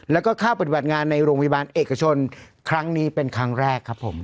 แล้วก็เข้าปฏิบัติงานในโรงพยาบาลเอกชนครั้งนี้เป็นครั้งแรกครับผม